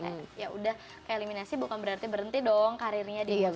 kayak yaudah keeliminasi bukan berarti berhenti dong karirnya di musik